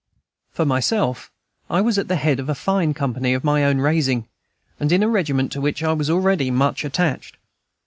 For myself, I was at the head of a fine company of my own raising, and in a regiment to which I was already much attached.